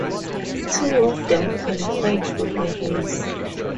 Two of them qualified for the race.